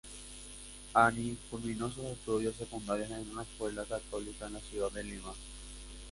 Ani culminó sus estudios secundarios en una escuela católica en la ciudad de Lima.